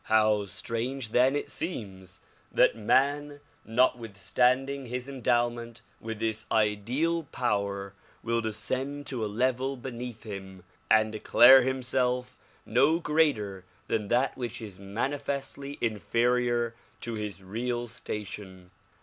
How strange then it seems that man, notwithstanding his en dowment with this ideal power, will descend to a level beneath him and declare himself no greater than that which is manifestly in ferior to his real station.